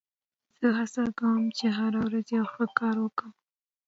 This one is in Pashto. زه هڅه کوم، چي هره ورځ یو ښه کار وکم.